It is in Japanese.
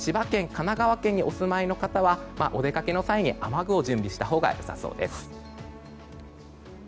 神奈川県にお住まいの方はお出かけの際、雨具を準備したほうが良さそうです。